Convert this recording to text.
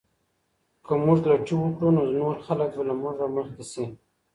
که موږ لټي وکړو نو نور خلګ به له موږ مخکې سي.